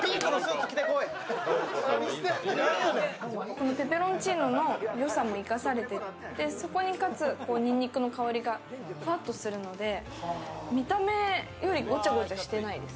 このペペロンチーノのよさも生かされてて、そこに、かつ、にんにくの香りがふわっとするので見た目よりごちゃごちゃしてないです。